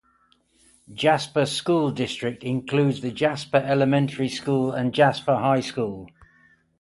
Jasper School District includes the Jasper Elementary School and Jasper High School.